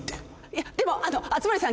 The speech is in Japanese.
いやでもあの熱護さん